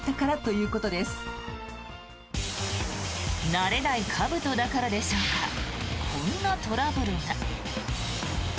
慣れないかぶとだからでしょうかこんなトラブルが。